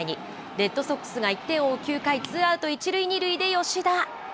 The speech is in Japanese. レッドソックスが１点を追う９回、ツーアウト１塁２塁で吉田。